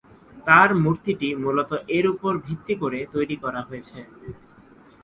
তার মূর্তিটি মূলত এর উপর ভিত্তি করে তৈরি করা হয়েছে।